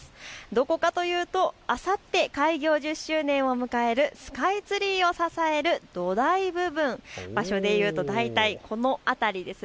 どこかというとあさって開業１０周年を迎えるスカイツリーを支える土台部分、場所でいうと大体この辺りです。